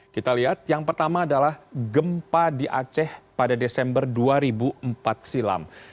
kita lihat yang pertama adalah gempa di aceh pada desember dua ribu empat silam